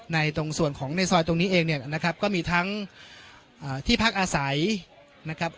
ตรงส่วนของในซอยตรงนี้เองเนี่ยนะครับก็มีทั้งที่พักอาศัยนะครับ